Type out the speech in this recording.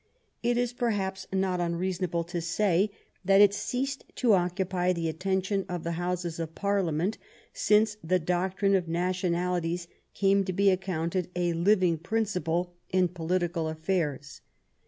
It is perhaps not unreasonable to say that it ceased to occupy the attention of the Houses of Parliament since the doctrine of nationalities came to be accounted a living principle in political affairs.